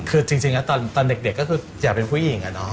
คือจริงแล้วตอนเด็กก็คืออยากเป็นผู้หญิงอะเนาะ